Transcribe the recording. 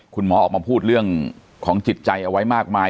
คุณหมอออกมาพูดเรื่องของจิตใจเอาไว้มากมาย